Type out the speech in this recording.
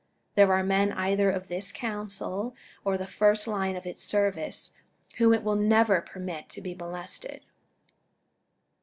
There are men either of this Council, or in the first line of its service, whom it will never permit to be molested.